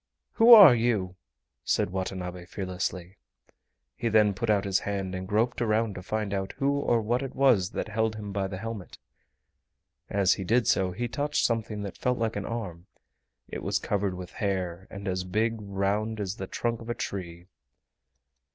"Who are you?" said Watanabe fearlessly. He then put out his hand and groped around to find out who or what it was that held him by the helmet. As he did so he touched something that felt like an arm—it was covered with hair and as big round as the trunk of a tree!